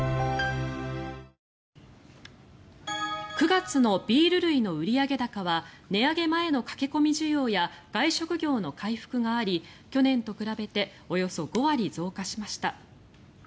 ９月のビール類の売上高は値上げ前の駆け込み需要や外食業の回復があり去年と比べておよそ５割増加しました。